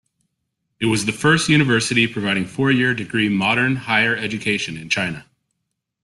It was the first university providing four year degree modern higher education in China.